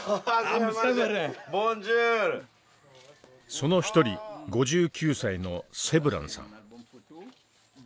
その一人５９歳のセブランさん。